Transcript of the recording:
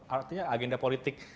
artinya agenda politik